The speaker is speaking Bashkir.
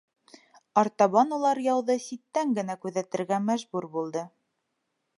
Артабан улар яуҙы ситтән генә күҙәтергә мәжбүр булды.